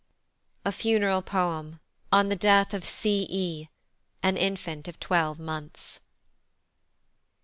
A Funeral POEM on the Death of C. E. an Infant of Twelve Months.